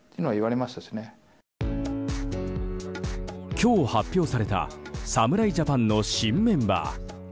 今日、発表された侍ジャパンの新メンバー。